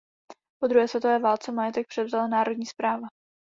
Po druhé světové válce majetek převzala národní správa.